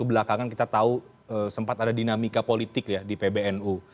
belakangan kita tahu sempat ada dinamika politik ya di pbnu